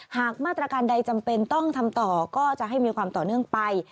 หากมาตรการใดจำเป็นต้องทำต่อก็จะให้มีความต่อเนื่องไป